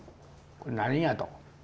これ何やと。